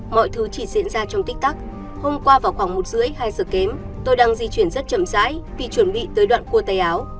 mọi thứ chỉ diễn ra trong tích tắc hôm qua vào khoảng một h ba mươi hai h kém tôi đang di chuyển rất chậm rãi vì chuẩn bị tới đoạn cua tay áo